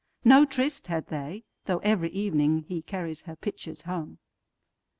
No tryst had they, though every evening heCarries her pitchers home.